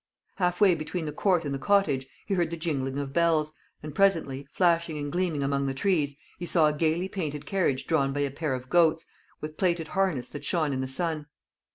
Half way between the Court and the cottage, he heard the jingling of bells, and presently, flashing and gleaming among the trees, he saw a gaily painted carriage drawn by a pair of goats, with plated harness that shone in the sun.